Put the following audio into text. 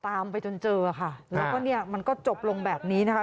ตามไปจนเจอค่ะแล้วก็เนี่ยมันก็จบลงแบบนี้นะคะ